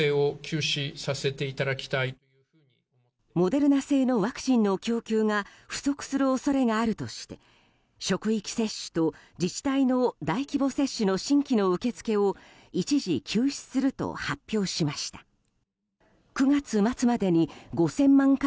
モデルナ製のワクチンの供給が不足する恐れがあるとして職域接種と自治体の大規模接種の新規の受け付けを一時休止すると発表しました。